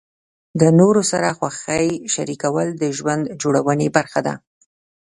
د نورو سره خوښۍ شریکول د ژوند جوړونې برخه ده.